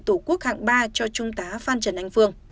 tổ quốc hạng ba cho trung tá phan trần anh phương